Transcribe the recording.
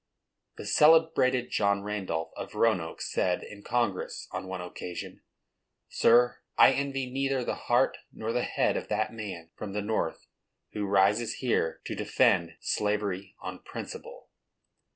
The celebrated John Randolph, of Roanoke, said in Congress, on one occasion: Sir, I envy neither the heart nor the head of that man from the North who rises here to defend slavery on principle.